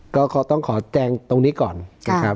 ก็ต้องขอแจงตรงนี้ก่อนนะครับ